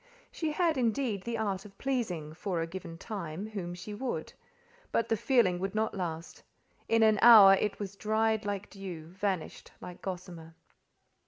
She had, indeed, the art of pleasing, for a given time, whom she would; but the feeling would not last: in an hour it was dried like dew, vanished like gossamer.